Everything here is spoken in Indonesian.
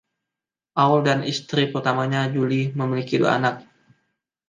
Ault dan istri pertamanya Julie memiliki dua anak.